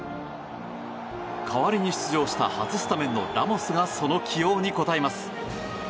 代わりに出場した初スタメンのラモスがその起用に答えます。